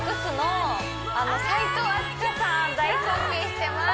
大尊敬してます！